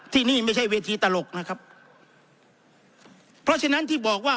ที่นี่ไม่ใช่เวทีตลกนะครับเพราะฉะนั้นที่บอกว่า